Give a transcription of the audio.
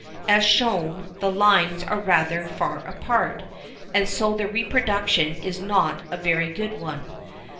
As shown, the lines are rather far apart, and so the reproduction is not a very good one.